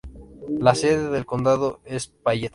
La sede del condado es Payette.